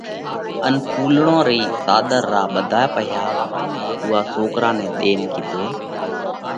ان ڦُولڙون رِي ساۮر را ٻڌائي پئِيها اُوئا سوڪرا نئہ ۮينَ ڪِيڌو: